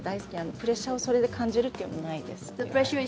プレッシャーをそれで感じるというのはないです。